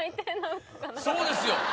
そうですよ